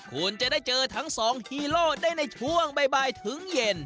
คุณจะได้เจอทั้งสองฮีโร่ได้ในช่วงบ่ายถึงเย็น